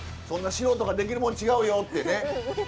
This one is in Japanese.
そんな素人ができるもん違うよってね。